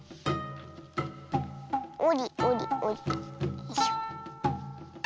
よいしょ。